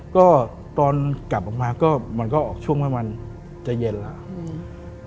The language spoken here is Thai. ก็ตอนกลับออกมาก็มันก็ออกช่วงประมาณจะเย็นแล้ว